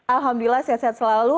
alhamdulillah sehat sehat selalu